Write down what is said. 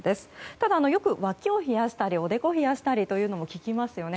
ただ、よくわきを冷やしたりおでこを冷やしたりというのも聞きますよね。